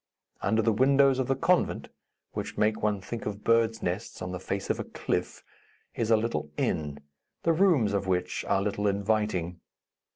Under the windows of the convent which make one think of birds' nests on the face of a cliff is a little inn, the rooms of which are little inviting.